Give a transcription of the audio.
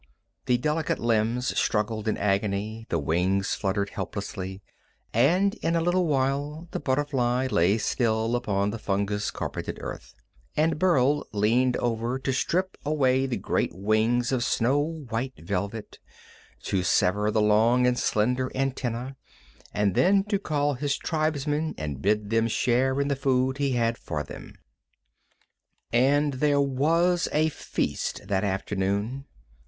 The delicate limbs struggled in agony, the wings fluttered helplessly, and in a little while the butterfly lay still upon the fungus carpeted earth, and Burl leaned over to strip away the great wings of snow white velvet, to sever the long and slender antennæ, and then to call his tribesmen and bid them share in the food he had for them. And there was a feast that afternoon.